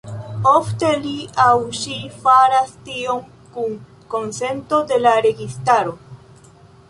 Ofte li aŭ ŝi faras tion kun konsento de la registaro.